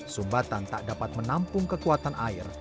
sumbatan tak dapat menampung kekuatan air